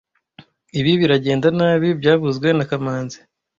Ibi biragenda nabi byavuzwe na kamanzi